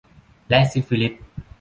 และซิฟิลิส